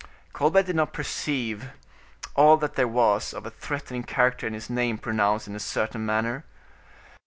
Colbert did not perceive all that there was of a threatening character in his name pronounced in a certain manner.